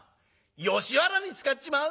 吉原に使っちまう？